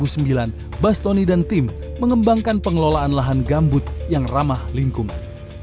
pada dua ribu enam sejak dua ribu sembilan bas tony dan tim mengembangkan pengelolaan lahan gambut yang ramah lingkungan